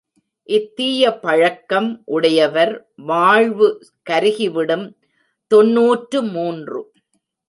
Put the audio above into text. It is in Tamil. இத் தீய பழக்கம் உடையவர் வாழ்வு கருகிவிடும் தொன்னூற்று மூன்று.